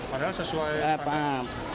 padahal sesuai standar